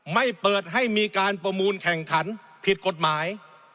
ไม่เปิดให้มีการประมูลแข่งขันผิดกฎหมาย